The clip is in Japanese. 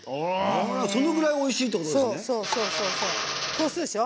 そのぐらいおいしいってことですね。